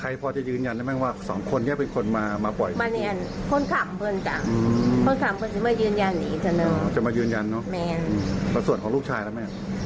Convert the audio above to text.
รู้สึกปลอดภัยขึ้นไหม